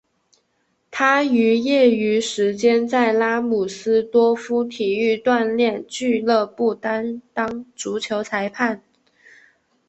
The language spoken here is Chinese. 他于业余时间在拉姆斯多夫体育锻炼俱乐部担当足球裁判。